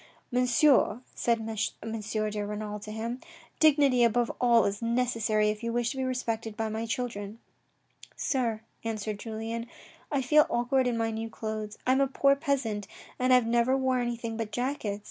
" Monsieur," said M. de Renal to him, " dignity above all is necessary if you wish to be respected by my children." " Sir," answered Julien, " I feel awkward in my new clothes. I am a poor peasant and have never wore anything but jackets.